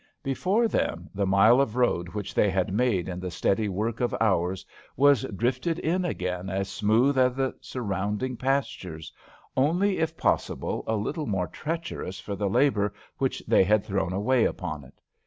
Before them the mile of road which they had made in the steady work of hours was drifted in again as smooth as the surrounding pastures, only if possible a little more treacherous for the labor which they had thrown away upon it.